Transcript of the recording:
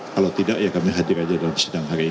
kalau tidak ya kami hadir aja dalam sidang hari ini